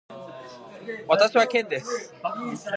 私はケンです。